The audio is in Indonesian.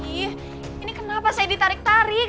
ini kenapa saya ditarik tarik